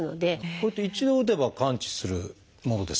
これって一度打てば完治するものですか？